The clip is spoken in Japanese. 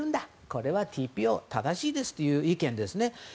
これはＴＰＯ正しいですという意見ですね。